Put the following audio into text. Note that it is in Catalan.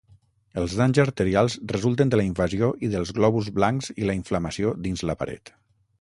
Els danys arterials resulten de la invasió i dels glòbuls blancs i la inflamació dins la paret.